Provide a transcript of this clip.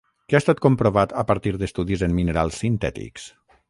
Què ha estat comprovat a partir d'estudis en minerals sintètics?